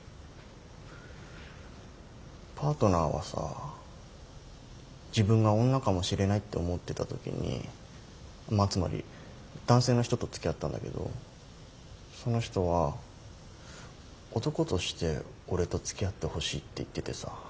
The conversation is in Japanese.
パートナーはさ自分が女かもしれないって思ってた時にまあつまり男性の人とつきあったんだけどその人は男として俺とつきあってほしいって言っててさ